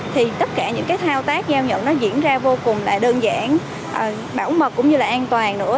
thì tất cả những cái thao tác giao nhận nó diễn ra vô cùng là đơn giản bảo mật cũng như là an toàn nữa